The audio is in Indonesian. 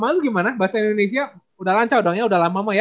lalu gimana bahasa indonesia udah lancar dong ya udah lama mah ya